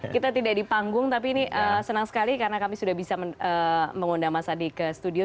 kita tidak di panggung tapi ini senang sekali karena kami sudah bisa mengundang mas adi ke studio